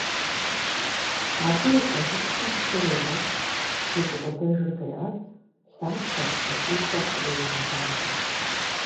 Абы и щӏэжыпсым лъы уегъэщӏ, уи гукъыдэжыр къеӏэт, лъатэр, кӏэтӏийхэр фӏыуэ егъэлажьэ.